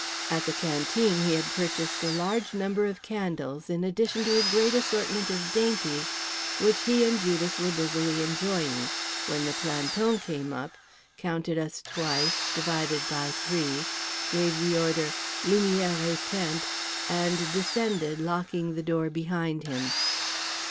At the canteen he had purchased a large number of candles in addition to a great assortment of dainties which he and Judas were busily enjoying—when the planton came up, counted us twice, divided by three, gave the order "Lumières éteintes," and descended, locking the door behind him.